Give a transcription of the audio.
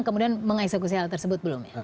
kemudian meng execute hal tersebut belum ya